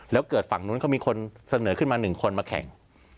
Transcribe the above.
แล้วเกิดฝั่งนู้นเขามีคนเสนอขึ้นมา๑คนมาแข่ง